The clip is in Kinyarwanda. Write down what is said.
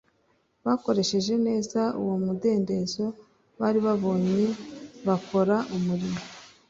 bakoresheje neza uwo mudendezo bari babonye bakora umurimo